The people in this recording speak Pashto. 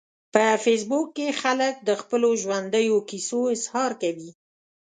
په فېسبوک کې خلک د خپلو ژوندیو کیسو اظهار کوي